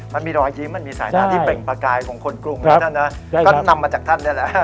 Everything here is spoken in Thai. มันมีรอยยิ้มมันมีสายหน้าที่เปล่งประกายของคนกรุงแล้วท่านนะก็นำมาจากท่านนี่แหละ